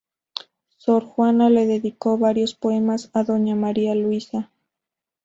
Sor Juana le dedicó varios poemas a Doña María Luisa.